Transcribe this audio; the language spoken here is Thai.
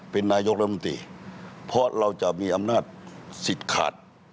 เป็นนายกรัฐมนตรีเพราะเราจะมีอำนาจสิทธิ์ขาด